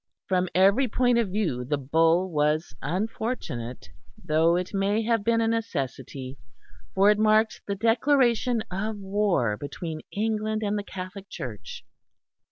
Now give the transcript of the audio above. From every point of view the Bull was unfortunate, though it may have been a necessity; for it marked the declaration of war between England and the Catholic Church.